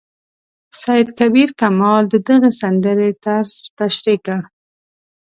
سید کبیر کمال د دغې سندرې طرز تشریح کړ.